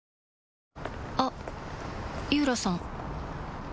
あっ井浦さん